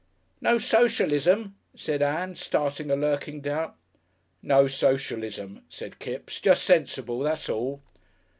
"No socialism," said Ann, starting a lurking doubt. "No socialism," said Kipps; "just sensible, that's all."